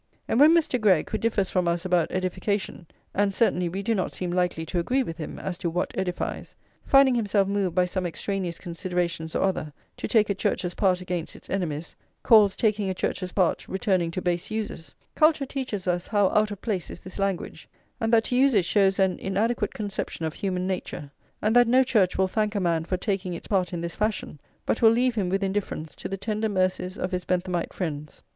And when Mr. Greg, who differs from us about edification, (and certainly we do not seem likely to agree with him as to what edifies), finding himself moved by some extraneous considerations or other to take a Church's part against its enemies, calls taking a Church's part returning to base uses, culture teaches us how out of place is this language, and that to use it shows an inadequate conception of human nature, and that no Church will thank a man for taking its part in this fashion, but will leave him with indifference to the tender mercies of his Benthamite friends.